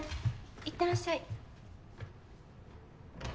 いってらっしゃい。